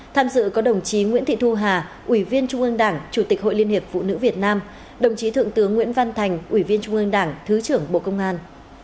tham dự có đồng chí nguyễn thị thu hà ủy viên trung ương đảng chủ tịch hội liên hiệp phụ nữ việt nam đồng chí thượng tướng nguyễn văn thành ủy viên trung ương đảng thứ trưởng bộ công an